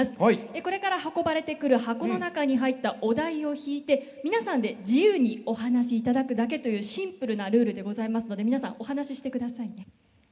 これから運ばれてくる箱の中に入ったお題を引いて皆さんで自由にお話しいただくだけというシンプルなルールでございますので皆さんお話ししてくださいね。